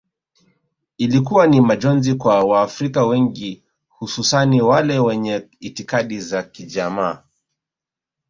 Ilikuwa ni majonzi kwa waafrika wengi hususani wale wenye itikadi za kijamaa